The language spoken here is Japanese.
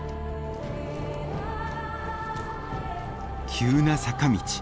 急な坂道。